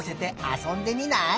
あそんでみたい。